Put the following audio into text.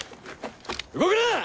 動くな！